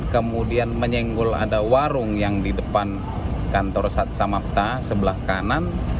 kemudian menyenggol ada warung yang di depan kantor sat samapta sebelah kanan